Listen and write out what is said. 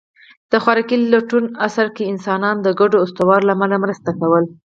د خوراک لټوني عصر کې انسانان د ګډو اسطورو له امله مرسته کوله.